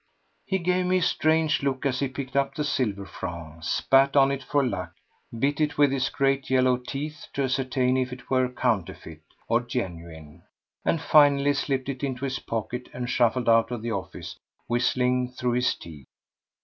He gave me a strange look as he picked up the silver franc, spat on it for luck, bit it with his great yellow teeth to ascertain if it were counterfeit or genuine, and finally slipped it into his pocket, and shuffled out of the office whistling through his teeth.